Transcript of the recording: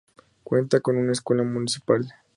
Cuenta con una escuela municipal.